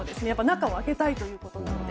中を空けたいということなので。